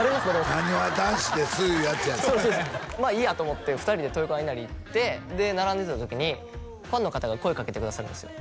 そうですそうですまあいいやと思って２人で豊川稲荷行ってで並んでた時にファンの方が声かけてくださるんですよ